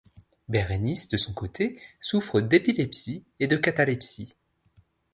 Bérénice, de son côté, souffre d'épilepsie et de catalepsie.